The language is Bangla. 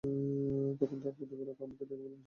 তখন তাঁর প্রতিপালক তাঁকে ডেকে বললেন, হে আইয়ুব!